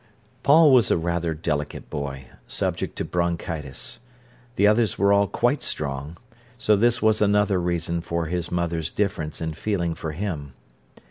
Paul was rather a delicate boy, subject to bronchitis. The others were all quite strong; so this was another reason for his mother's difference in feeling for him.